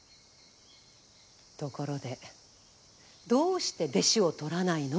ところでどうして弟子をとらないの？